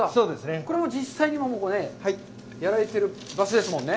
これは実際にやられている場所ですもんね？